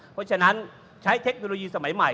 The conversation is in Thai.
เพราะฉะนั้นใช้เทคโนโลยีสมัยใหม่